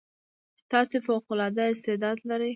چې تاسې فوق العاده استعداد لرٸ